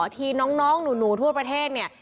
ที่น้องหนูทั่วประเทศเนี่ย